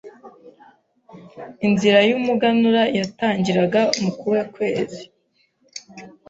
Inzira y’umuganura yatangiraga mu kuhe kwezi